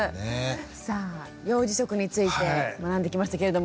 さあ幼児食について学んできましたけれども。